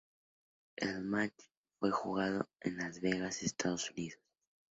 El match fue jugado en Las Vegas, Estados Unidos.